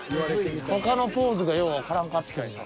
他のポーズがようわからんかったんよな。